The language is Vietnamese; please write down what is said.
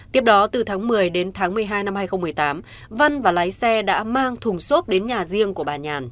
tiếp đó từ tháng một mươi đến tháng một mươi hai năm hai nghìn một mươi tám văn và lái xe đã mang thùng xốp đến nhà riêng của bà nhàn